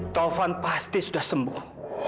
taufan pasti sudah sembuh